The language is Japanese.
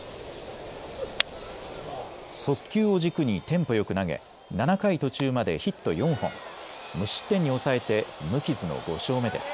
速球を軸にテンポよく投げ７回途中までヒット４本無失点に抑えて無傷の５勝目です。